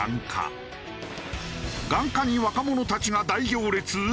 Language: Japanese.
眼科に若者たちが大行列？